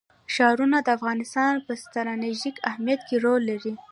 ښارونه د افغانستان په ستراتیژیک اهمیت کې رول لري.